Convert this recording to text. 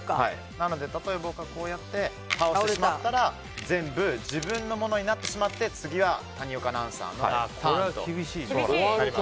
なので、例えば僕が倒してしまったら全部自分のものになってしまって次は谷岡アナウンサーのターンと。これは厳しい。